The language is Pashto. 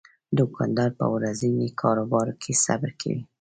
دوکاندار په ورځني کاروبار کې صبر کوي.